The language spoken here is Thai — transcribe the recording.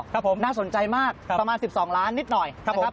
ครับผมน่าสนใจมากประมาณ๑๒ล้านนิดหน่อยนะครับ